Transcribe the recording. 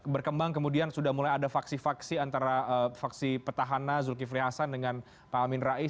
berkembang kemudian sudah mulai ada faksi faksi antara faksi petahana zulkifli hasan dengan pak amin rais